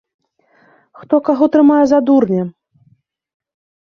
Хто каго трымае за дурня?